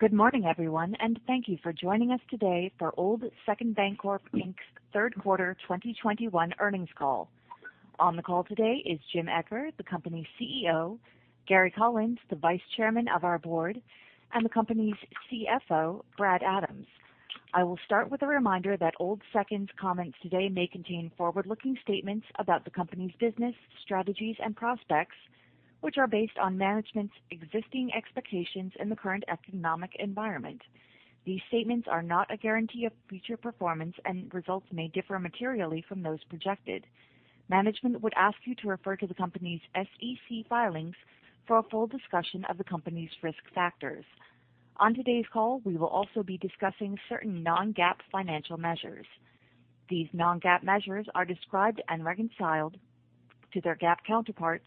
Good morning everyone. Thank you for joining us today for Old Second Bancorp, Inc.'s Third Quarter 2021 Earnings Call. On the call today is Jim Eccher, the company's CEO, Gary Collins, the Vice Chairman of our board, and the company's CFO, Brad Adams. I will start with a reminder that Old Second's comments today may contain forward-looking statements about the company's business, strategies, and prospects, which are based on management's existing expectations in the current economic environment. These statements are not a guarantee of future performance, and results may differ materially from those projected. Management would ask you to refer to the company's SEC filings for a full discussion of the company's risk factors. On today's call, we will also be discussing certain non-GAAP financial measures. These non-GAAP measures are described and reconciled to their GAAP counterparts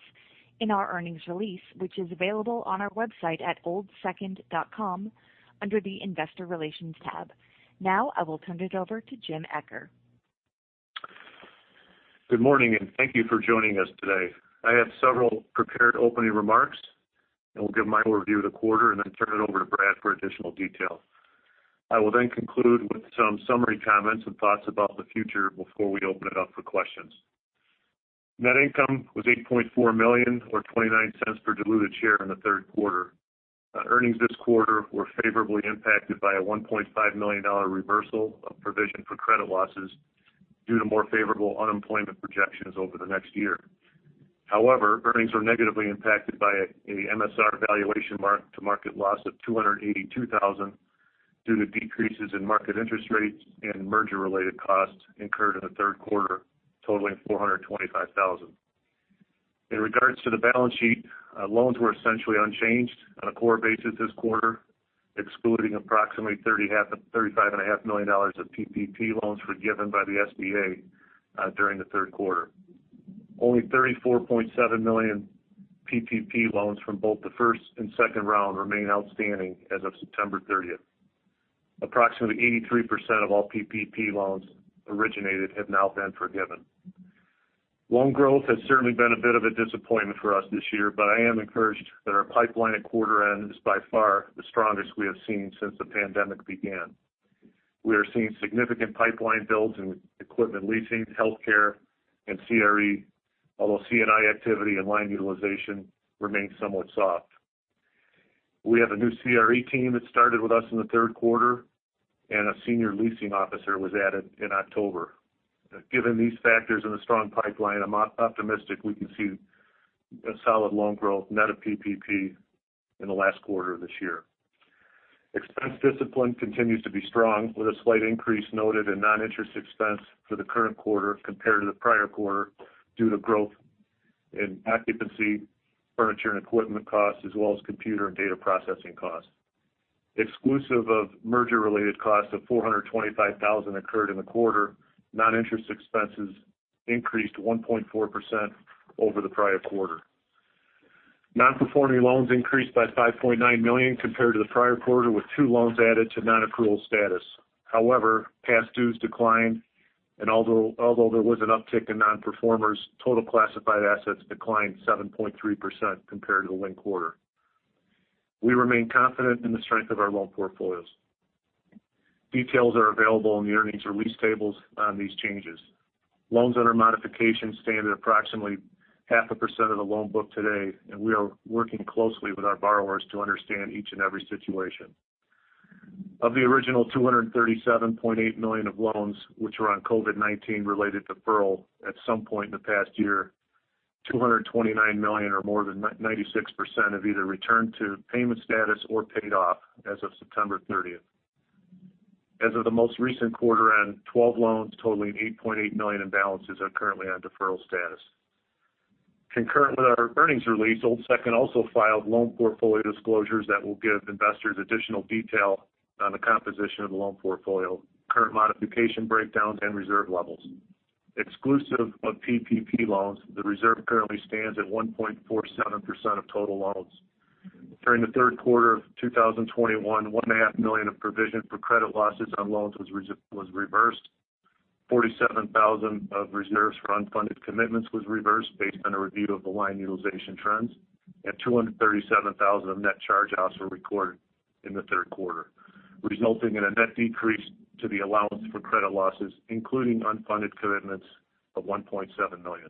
in our earnings release, which is available on our website at oldsecond.com under the investor relations tab. Now, I will turn it over to Jim Eccher. Good morning. Thank you for joining us today. I have several prepared opening remarks, and we'll give my overview of the quarter and then turn it over to Brad for additional detail. I will conclude with some summary comments and thoughts about the future before we open it up for questions. Net income was $8.4 million, or $0.29 per diluted share in the third quarter. Earnings this quarter were favorably impacted by a $1.5 million reversal of provision for credit losses due to more favorable unemployment projections over the next year. Earnings were negatively impacted by a MSR valuation mark-to-market loss of $282,000 due to decreases in market interest rates and merger-related costs incurred in the third quarter, totaling $425,000. In regards to the balance sheet, loans were essentially unchanged on a core basis this quarter, excluding approximately $35.5 million of PPP loans forgiven by the SBA during the third quarter. Only $34.7 million PPP loans from both the first and second round remain outstanding as of September 30th. Approximately 83% of all PPP loans originated have now been forgiven. Loan growth has certainly been a bit of a disappointment for us this year, but I am encouraged that our pipeline at quarter end is by far the strongest we have seen since the pandemic began. We are seeing significant pipeline builds in equipment leasing, healthcare, and CRE, although C&I activity and line utilization remains somewhat soft. We have a new CRE team that started with us in the third quarter, and a senior leasing officer was added in October. Given these factors and a strong pipeline, I'm optimistic we can see a solid loan growth, net of PPP in the last quarter of this year. Expense discipline continues to be strong, with a slight increase noted in non-interest expense for the current quarter compared to the prior quarter due to growth in occupancy, furniture, and equipment costs, as well as computer and data processing costs. Exclusive of merger-related costs of $425,000 occurred in the quarter, non-interest expenses increased 1.4% over the prior quarter. Non-performing loans increased by $5.9 million compared to the prior quarter, with two loans added to non-accrual status. However, past dues declined, and although there was an uptick in non-performers, total classified assets declined 7.3% compared to the linked quarter. We remain confident in the strength of our loan portfolios. Details are available in the earnings release tables on these changes. Loans under modification stand at approximately 0.5% of the loan book today. We are working closely with our borrowers to understand each and every situation. Of the original $237.8 million of loans which were on COVID-19 related deferral at some point in the past year, $229 million or more than 96% have either returned to payment status or paid off as of September 30th. As of the most recent quarter end, 12 loans totaling $8.8 million in balances are currently on deferral status. Concurrent with our earnings release, Old Second also filed loan portfolio disclosures that will give investors additional detail on the composition of the loan portfolio, current modification breakdowns, and reserve levels. Exclusive of PPP loans, the reserve currently stands at 1.47% of total loans. During the third quarter of 2021, $1.5 million of provision for credit losses on loans was reversed, $47,000 of reserves for unfunded commitments was reversed based on a review of the line utilization trends, and $237,000 of net charge-offs were recorded in the third quarter, resulting in a net decrease to the allowance for credit losses, including unfunded commitments of $1.7 million.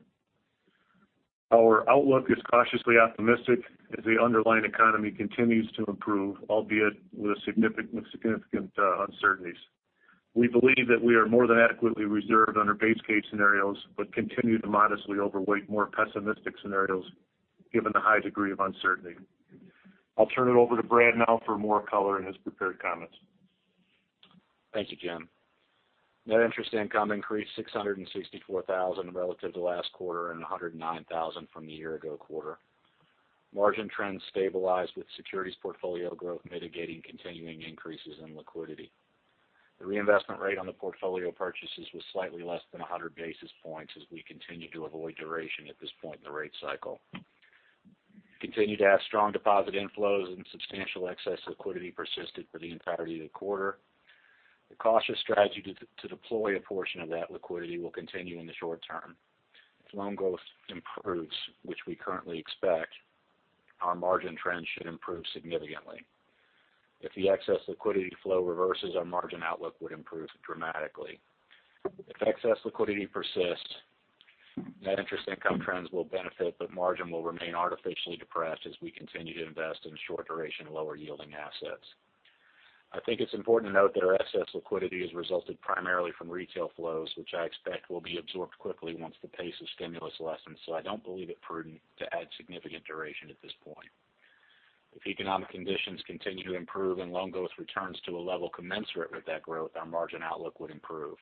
Our outlook is cautiously optimistic as the underlying economy continues to improve, albeit with significant uncertainties. We believe that we are more than adequately reserved under base case scenarios, but continue to modestly overweight more pessimistic scenarios given the high degree of uncertainty. I'll turn it over to Brad now for more color and his prepared comments. Thank you, Jim. Net interest income increased $664,000 relative to last quarter and $109,000 from the year ago quarter. Margin trends stabilized with securities portfolio growth mitigating continuing increases in liquidity. The reinvestment rate on the portfolio purchases was slightly less than 100 basis points as we continue to avoid duration at this point in the rate cycle. We continued to have strong deposit inflows and substantial excess liquidity persisted for the entirety of the quarter. The cautious strategy to deploy a portion of that liquidity will continue in the short term. If loan growth improves, which we currently expect, our margin trend should improve significantly. If the excess liquidity flow reverses, our margin outlook would improve dramatically. If excess liquidity persists, net interest income trends will benefit, but margin will remain artificially depressed as we continue to invest in short-duration, lower-yielding assets. I think it's important to note that our excess liquidity has resulted primarily from retail flows, which I expect will be absorbed quickly once the pace of stimulus lessens, so I don't believe it prudent to add significant duration at this point. If economic conditions continue to improve and loan growth returns to a level commensurate with that growth, our margin outlook would improve.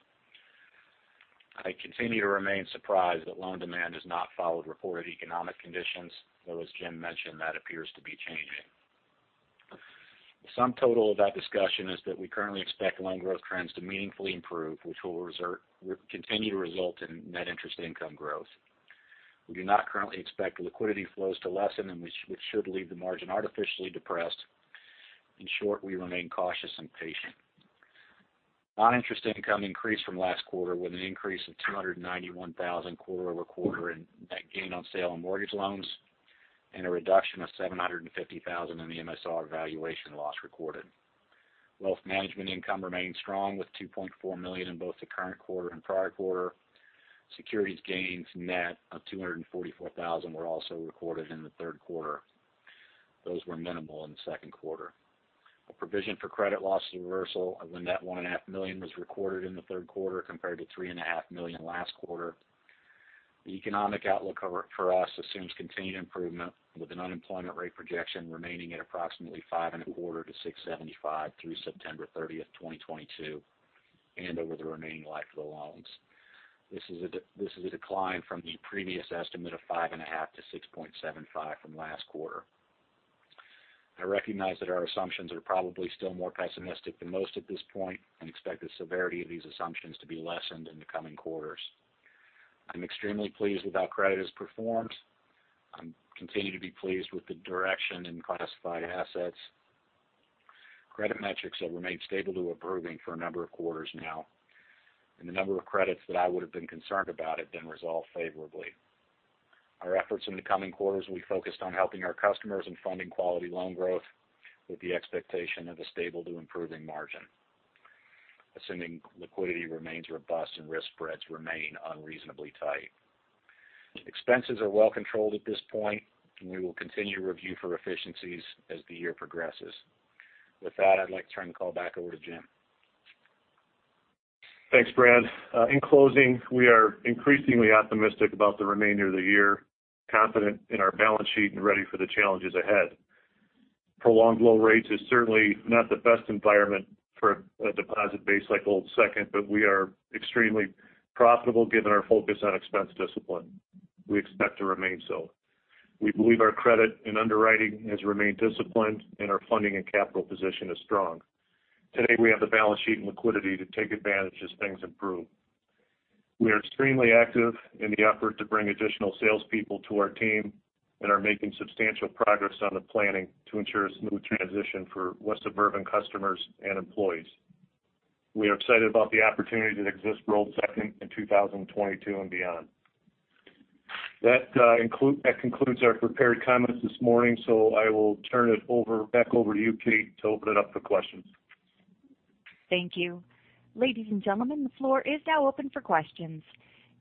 I continue to remain surprised that loan demand has not followed reported economic conditions, though as Jim mentioned, that appears to be changing. The sum total of that discussion is that we currently expect loan growth trends to meaningfully improve, which will continue to result in net interest income growth. We do not currently expect liquidity flows to lessen and which should leave the margin artificially depressed. In short, we remain cautious and patient. Non-interest income increased from last quarter, with an increase of $291,000 quarter-over-quarter in net gain on sale and mortgage loans, and a reduction of $750,000 in the MSR valuation loss recorded. Wealth management income remained strong with $2.4 million in both the current quarter and prior quarter. Securities gains net of $244,000 were also recorded in the third quarter. Those were minimal in the second quarter. A provision for credit loss reversal of the net $1.5 million was recorded in the third quarter, compared to $3.5 million last quarter. The economic outlook for us assumes continued improvement, with an unemployment rate projection remaining at approximately 5.25%-6.75% through September 30th, 2022, and over the remaining life of the loans. This is a decline from the previous estimate of 5.5%-6.75% from last quarter. I recognize that our assumptions are probably still more pessimistic than most at this point, and expect the severity of these assumptions to be lessened in the coming quarters. I'm extremely pleased with how credit has performed. I continue to be pleased with the direction in classified assets. Credit metrics have remained stable to improving for a number of quarters now, and the number of credits that I would've been concerned about have been resolved favorably. Our efforts in the coming quarters will be focused on helping our customers and funding quality loan growth with the expectation of a stable to improving margin, assuming liquidity remains robust and risk spreads remain unreasonably tight. Expenses are well controlled at this point, and we will continue review for efficiencies as the year progresses. With that, I'd like to turn the call back over to Jim. Thanks, Brad. In closing, we are increasingly optimistic about the remainder of the year, confident in our balance sheet, and ready for the challenges ahead. Prolonged low rates is certainly not the best environment for a deposit base like Old Second, but we are extremely profitable given our focus on expense discipline. We expect to remain so. We believe our credit and underwriting has remained disciplined, and our funding and capital position is strong. Today, we have the balance sheet and liquidity to take advantage as things improve. We are extremely active in the effort to bring additional salespeople to our team and are making substantial progress on the planning to ensure a smooth transition for West Suburban customers and employees. We are excited about the opportunity that exists for Old Second in 2022 and beyond. That concludes our prepared comments this morning, so I will turn it back over to you, Kate, to open it up for questions. Thank you. Ladies and gentlemen, the floor is now open for questions.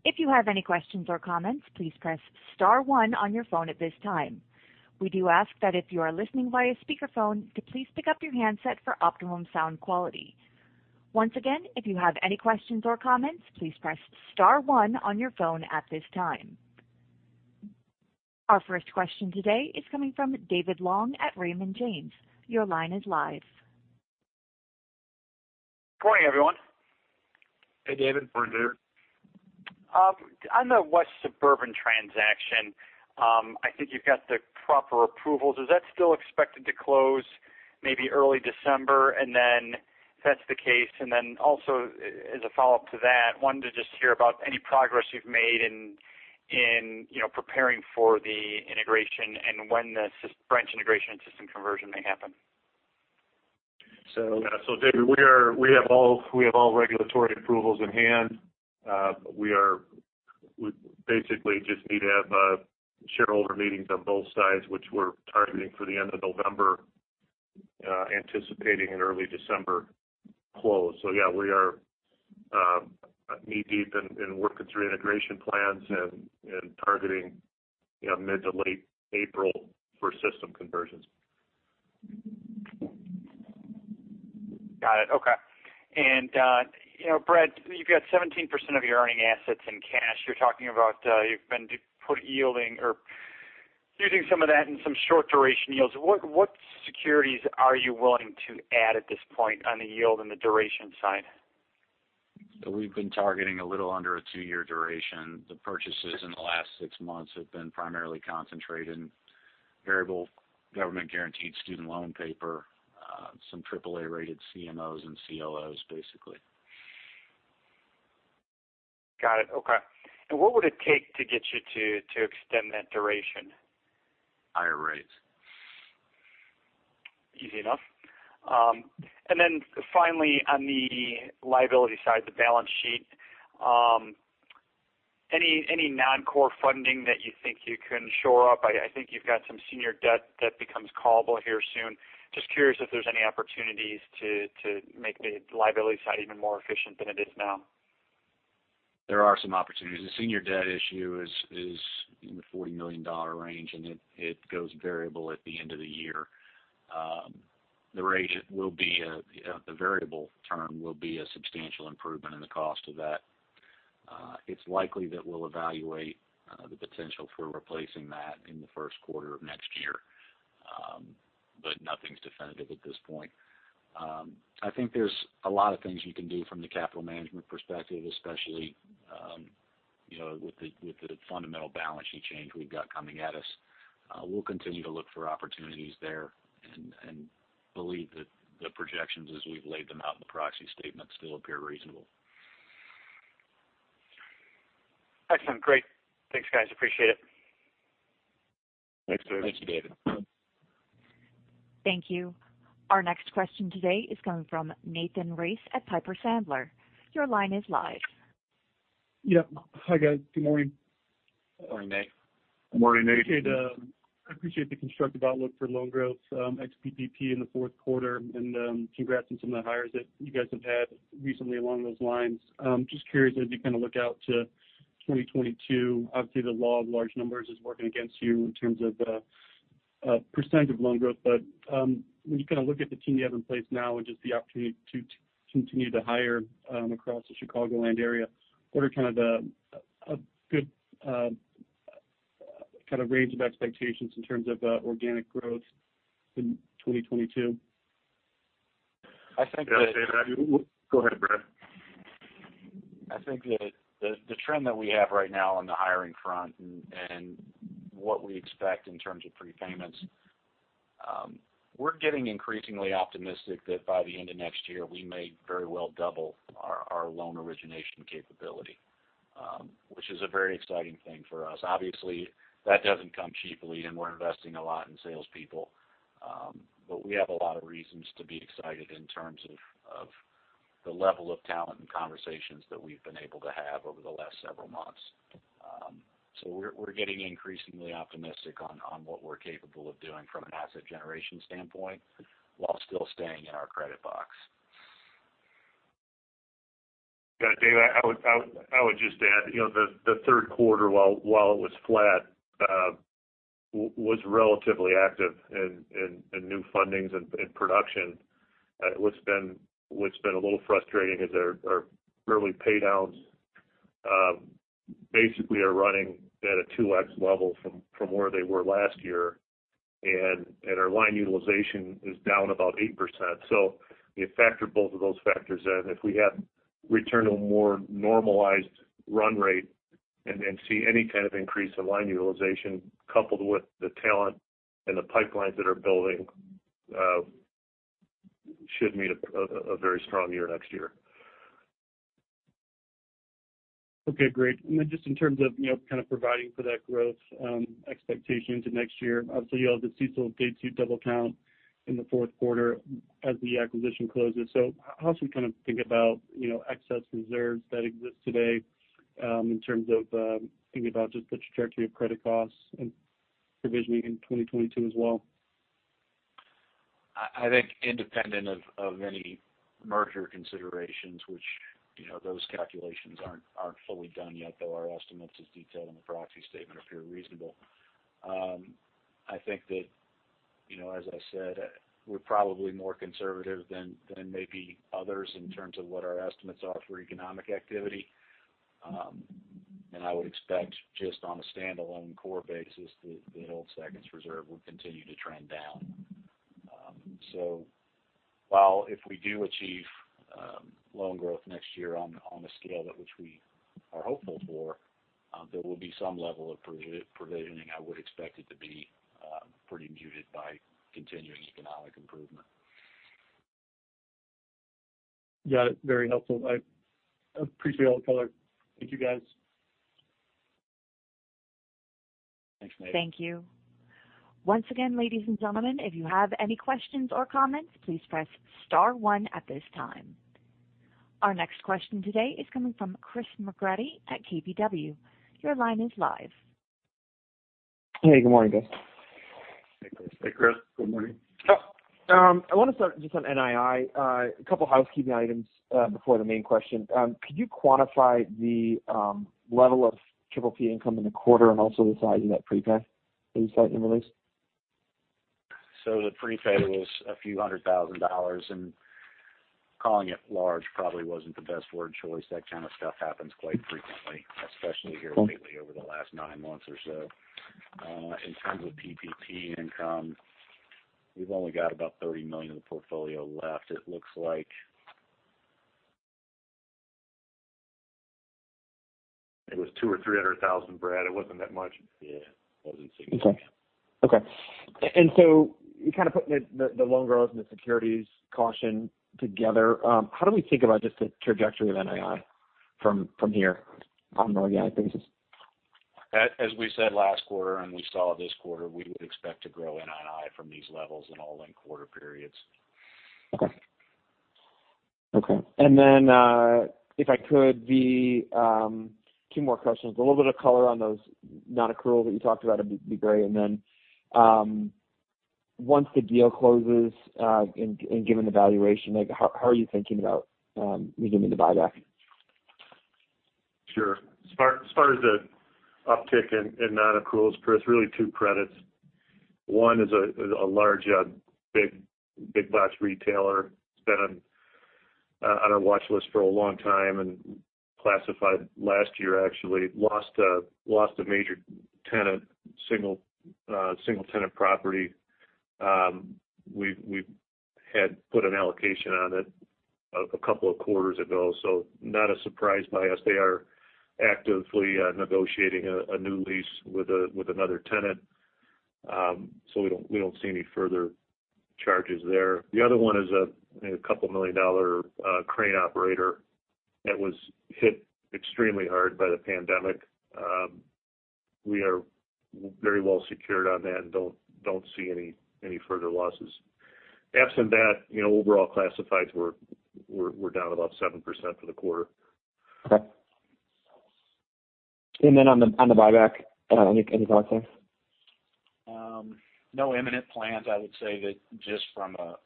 If you have any questions or comments, please press star one on your phone at this time. We do ask that if you're listening via a speaker phone to please pick up your handset for optimum sound quality. Once again, if you have any questions or comments, please press star one at this time. Our first question today is coming from David Long at Raymond James. Your line is live. Good morning, everyone. Hey, David. Brad here. On the West Suburban transaction, I think you've got the proper approvals. Is that still expected to close maybe early December? If that's the case, also as a follow-up to that, I wanted to just hear about any progress you've made in preparing for the integration and when the branch integration and system conversion may happen. David, we have all regulatory approvals in hand. We basically just need to have shareholder meetings on both sides, which we're targeting for the end of November, anticipating an early December close. Yeah, we are knee-deep in working through integration plans and targeting mid to late April for system conversions. Got it. Okay. Brad, you've got 17% of your earning assets in cash. You're talking about you've been yielding or using some of that in some short duration yields. What securities are you willing to add at this point on the yield and the duration side? We've been targeting a little under a two-year duration. The purchases in the last 6 months have been primarily concentrated in variable government-guaranteed student loan paper, some AAA-rated CMOs and CLOs. Got it. Okay. What would it take to get you to extend that duration? Higher rates. Easy enough. Finally, on the liability side, the balance sheet, any non-core funding that you think you can shore up? I think you've got some senior debt that becomes callable here soon. Just curious if there's any opportunities to make the liability side even more efficient than it is now. There are some opportunities. The senior debt issue is in the $40 million range. It goes variable at the end of the year. The variable term will be a substantial improvement in the cost of that. It's likely that we'll evaluate the potential for replacing that in the first quarter of next year. Nothing's definitive at this point. I think there's a lot of things you can do from the capital management perspective, especially, with the fundamental balance sheet change we've got coming at us. We'll continue to look for opportunities there and believe that the projections as we've laid them out in the proxy statement still appear reasonable. Excellent. Great. Thanks, guys. Appreciate it. Thanks, David. Thank you, David. Thank you. Our next question today is coming from Nathan Race at Piper Sandler. Your line is live. Yep. Hi, guys. Good morning. Morning, Nate. Morning, Nate. I appreciate the constructive outlook for loan growth, ex-PPP in the fourth quarter, and congrats on some of the hires that you guys have had recently along those lines. Just curious, as you kind of look out to 2022, obviously, the law of large numbers is working against you in terms of the % of loan growth. When you kind of look at the team you have in place now and just the opportunity to continue to hire across the Chicagoland area, what are kind of the good kind of range of expectations in terms of organic growth in 2022? I think that- Go ahead, Brad. I think that the trend that we have right now on the hiring front and what we expect in terms of prepayments, we're getting increasingly optimistic that by the end of next year, we may very well double our loan origination capability, which is a very exciting thing for us. Obviously, that doesn't come cheaply, and we're investing a lot in salespeople. We have a lot of reasons to be excited in terms of the level of talent and conversations that we've been able to have over the last several months. We're getting increasingly optimistic on what we're capable of doing from an asset generation standpoint while still staying in our credit box. Yeah, David Long, I would just add, the third quarter, while it was flat, was relatively active in new fundings and production. What's been a little frustrating is our early pay-downs basically are running at a 2x level from where they were last year, and our line utilization is down about 8%. You factor both of those factors in. If we return to a more normalized run rate and see any kind of increase in line utilization coupled with the talent and the pipelines that are building, should meet a very strong year next year. Okay, great. Just in terms of kind of providing for that growth expectation into next year. Obviously, you all did CECL day two double count in the fourth quarter as the acquisition closes. How do we kind of think about excess reserves that exist today in terms of thinking about just the trajectory of credit costs and provisioning in 2022 as well? I think independent of any merger considerations, which those calculations aren't fully done yet, though our estimates, as detailed in the proxy statement, appear reasonable. I think that as I said, we're probably more conservative than maybe others in terms of what our estimates are for economic activity. I would expect just on a standalone core basis, Old Second's reserve will continue to trend down. While if we do achieve loan growth next year on a scale that which we are hopeful for, there will be some level of provisioning. I would expect it to be pretty muted by continuing economic improvement. Got it. Very helpful. I appreciate all the color. Thank you, guys. Thanks, Nate. Thank you. Once again, ladies and gentlemen, if you have any questions or comments, please press star one at this time. Our next question today is coming from Chris McGratty at KBW. Hey, good morning, guys. Hey, Chris. Hey, Chris. Good morning. I want to start just on NII. A couple of housekeeping items before the main question. Could you quantify the level of PPP income in the quarter and also the size of that prepay that you cite in the release? The prepay was a few hundred thousand dollars, and calling it large probably wasn't the best word choice. That kind of stuff happens quite frequently, especially here lately over the last nine months or so. In terms of PPP income, we've only got about $30 million of the portfolio left. It looks like. It was $200,000 or $300,000, Brad. It wasn't that much. Yeah. It wasn't significant. Okay. You put the loan growth and the securities caution together. How do we think about just the trajectory of NII from here on an organic basis? As we said last quarter and we saw this quarter, we would expect to grow NII from these levels in all linked quarter periods. Okay. If I could, two more questions. A little bit of color on those non-accrual that you talked about would be great. Once the deal closes, and given the valuation, how are you thinking about resuming the buyback? Sure. As far as the uptick in non-accruals, Chris, really two credits. One is a large, big box retailer. It's been on our watch list for a long time and classified last year, actually. Lost a major tenant, single-tenant property. We had put an allocation on it a couple of quarters ago, so not a surprise by us. They are actively negotiating a new lease with another tenant. We don't see any further charges there. The other one is a couple million dollar crane operator that was hit extremely hard by the pandemic. We are very well secured on that and don't see any further losses. Absent that, overall classifieds, we're down about 7% for the quarter. Okay. Then on the buyback, any thoughts there? No imminent plans. I would say that just from a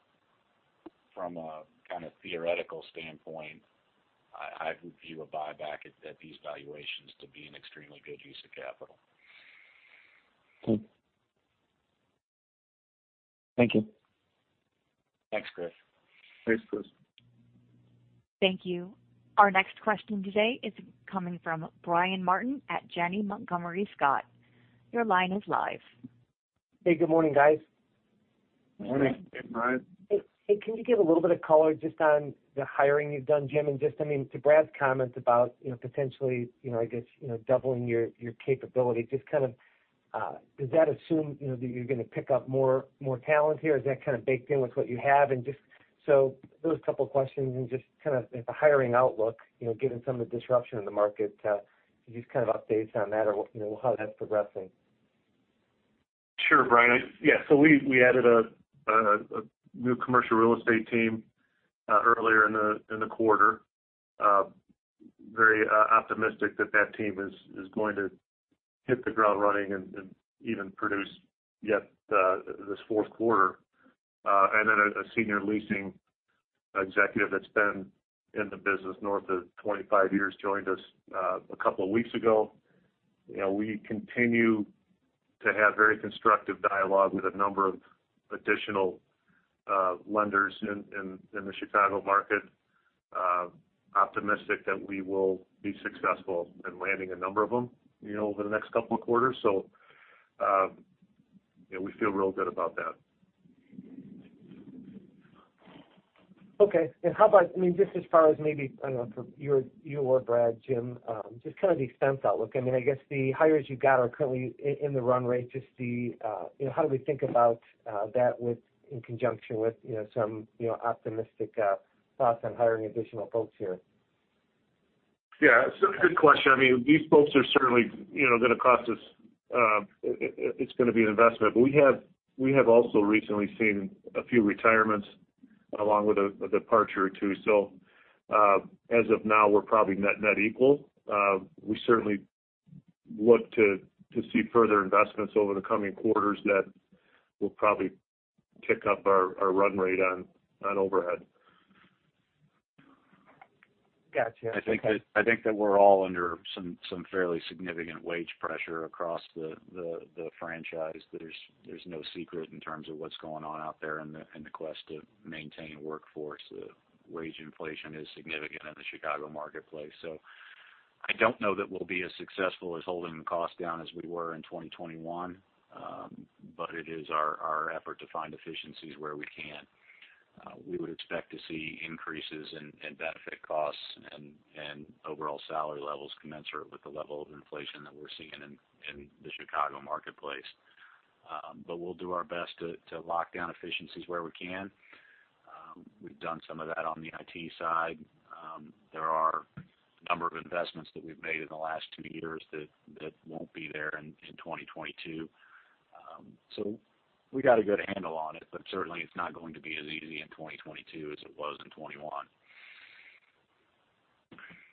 theoretical standpoint, I would view a buyback at these valuations to be an extremely good use of capital. Okay. Thank you. Thanks, Chris. Thanks, Chris. Thank you. Our next question today is coming from Brian Martin at Janney Montgomery Scott. Your line is live. Hey, good morning, guys. Morning. Good morning. Hey, can you give a little bit of color just on the hiring you've done, Jim, and just to Brad's comment about potentially, I guess, doubling your capability. Does that assume that you're going to pick up more talent here, or is that kind of baked in with what you have? Just so those are a couple of questions and just the hiring outlook, given some of the disruption in the market, could you just update us on that or how that's progressing? Sure, Brian. Yeah. We added a new commercial real estate team earlier in the quarter. Very optimistic that that team is going to hit the ground running and even produce yet this fourth quarter. Then a senior leasing executive that's been in the business north of 25 years joined us a couple of weeks ago. We continue to have very constructive dialogue with a number of additional lenders in the Chicago market. Optimistic that we will be successful in landing a number of them over the next couple of quarters. We feel real good about that. Okay. How about, just as far as maybe from you or Brad, Jim, just the expense outlook? I guess the hires you got are currently in the run rate. Just how do we think about that in conjunction with some optimistic thoughts on hiring additional folks here? Yeah. It's a good question. These folks are certainly going to cost us. It's going to be an investment. We have also recently seen a few retirements along with a departure or two. As of now, we're probably net equal. We certainly look to see further investments over the coming quarters that will probably tick up our run rate on overhead. Got you. I think that we're all under some fairly significant wage pressure across the franchise. There's no secret in terms of what's going on out there in the quest to maintain workforce. The wage inflation is significant in the Chicago marketplace. I don't know that we'll be as successful as holding the cost down as we were in 2021. It is our effort to find efficiencies where we can. We would expect to see increases in benefit costs and overall salary levels commensurate with the level of inflation that we're seeing in the Chicago marketplace. We'll do our best to lock down efficiencies where we can. We've done some of that on the IT side. There are a number of investments that we've made in the last two years that won't be there in 2022. We got a good handle on it, but certainly it's not going to be as easy in 2022 as it was in 2021.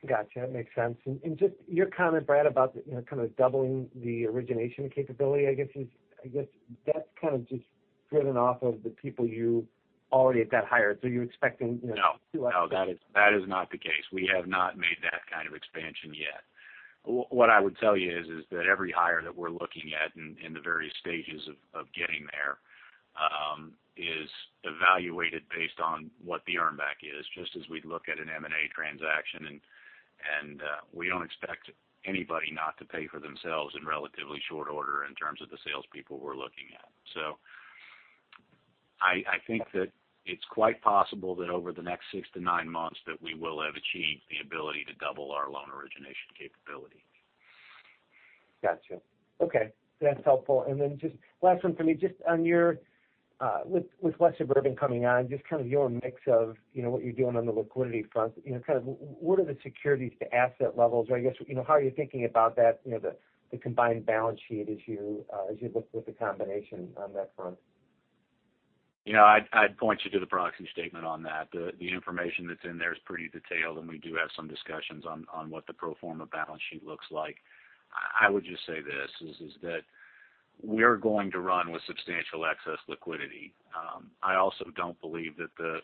Got you. That makes sense. Just your comment, Brad, about doubling the origination capability, I guess that's just driven off of the people you already have hired. No, that is not the case. We have not made that kind of expansion yet. What I would tell you is that every hire that we're looking at in the various stages of getting there, is evaluated based on what the earn back is, just as we'd look at an M&A transaction, and we don't expect anybody not to pay for themselves in relatively short order in terms of the salespeople we're looking at. I think that it's quite possible that over the next six-nine months that we will have achieved the ability to double our loan origination capability. Got you. Okay, that's helpful. Then just last one for me, with West Suburban coming on, just kind of your mix of what you're doing on the liquidity front, kind of what are the securities to asset levels? Or I guess, how are you thinking about that, the combined balance sheet as you look with the combination on that front? I'd point you to the proxy statement on that. The information that's in there is pretty detailed, and we do have some discussions on what the pro forma balance sheet looks like. I would just say this, is that we're going to run with substantial excess liquidity. I also don't believe that the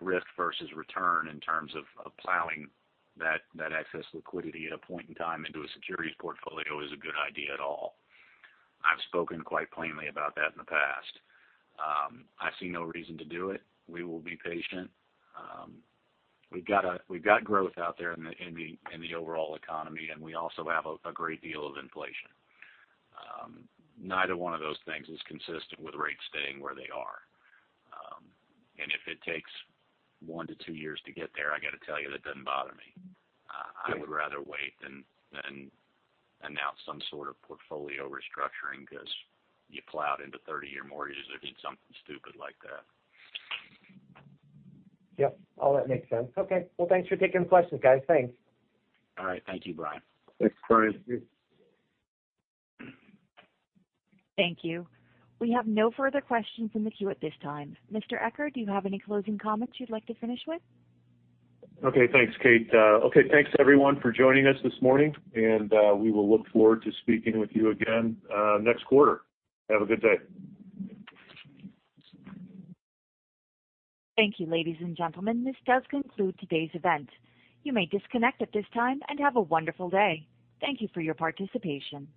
risk versus return in terms of plowing that excess liquidity at a point in time into a securities portfolio is a good idea at all. I've spoken quite plainly about that in the past. I see no reason to do it. We will be patient. We've got growth out there in the overall economy, and we also have a great deal of inflation. Neither one of those things is consistent with rates staying where they are. If it takes one-two years to get there, I got to tell you, that doesn't bother me. Good. I would rather wait than announce some sort of portfolio restructuring because you plowed into 30-year mortgages or did something stupid like that. Yep. All that makes sense. Okay. Well, thanks for taking the questions, guys. Thanks. All right. Thank you, Brian. Thanks, Brian. Thank you. We have no further questions in the queue at this time. Mr. Eccher, do you have any closing comments you'd like to finish with? Okay. Thanks, Kate. Okay, thanks everyone for joining us this morning. We will look forward to speaking with you again next quarter. Have a good day. Thank you, ladies and gentlemen. This does conclude today's event. You may disconnect at this time, and have a wonderful day. Thank you for your participation.